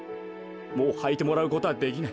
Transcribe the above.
もうはいてもらうことはできない。